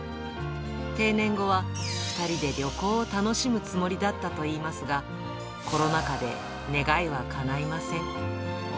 定年後は２人で旅行を楽しむつもりだったといいますが、コロナ禍で願いはかないません。